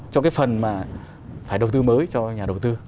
cho cái phần mà phải đầu tư mới cho nhà đầu tư